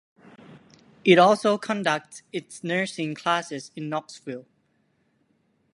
It also conducts its nursing classes in Knoxville.